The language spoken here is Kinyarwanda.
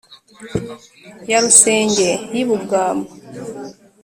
ya rusenge: y’i bugamba